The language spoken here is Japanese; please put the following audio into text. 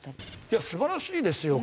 いや素晴らしいですよ